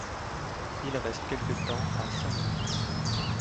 Il reste quelque temps à Saint-Louis.